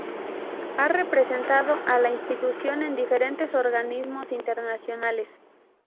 Ha representado a la institución en diferentes organismos internacionales.